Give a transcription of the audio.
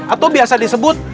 atau biasa disebut